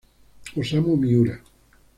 Osamu Miura